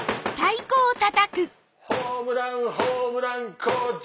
ホームランホームラン小島！